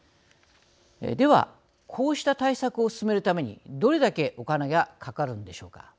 では、こうした対策を進めるためにどれだけお金がかかるんでしょうか。